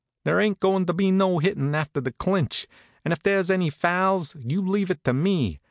There ain't goin' to be no hittin' after the clinch, and if there's any fouls, you leave it to me.